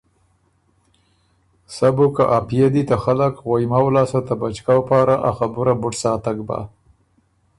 سۀ بُو که ا پئے دی بو ته خلق غوئمؤ لاسته ته بچکؤ پاره ا خبُره بُډ ساتک بۀ۔